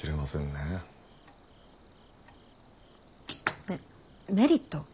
ん？メリット？